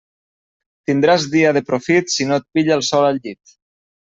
Tindràs dia de profit si no et pilla el sol al llit.